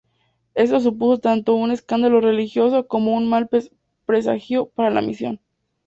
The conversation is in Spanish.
Esto supuso tanto un escándalo religioso como un mal presagio para la misión.